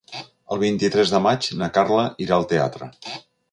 El vint-i-tres de maig na Carla irà al teatre.